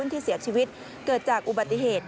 ที่เสียชีวิตเกิดจากอุบัติเหตุ